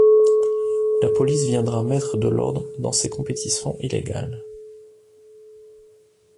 La police viendra mettre de l'ordre dans ces compétitions illégales.